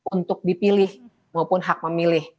untuk dipilih maupun hak memilih